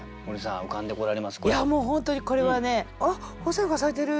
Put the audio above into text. いやもう本当にこれはねあっ鳳仙花咲いてる！